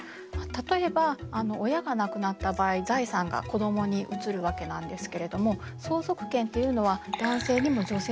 例えば親が亡くなった場合財産が子どもに移るわけなんですけれども相続権っていうのは男性にも女性にもありました。